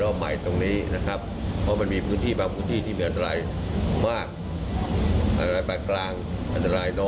ก็เลยทำให้นายกกกต้องมีการปรับเรื่องของการบริหารจัดการวัคซีน